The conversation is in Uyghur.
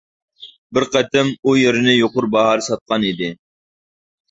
بىر قېتىم ئۇ يېرىنى يۇقىرى باھادا ساتقان ئىدى.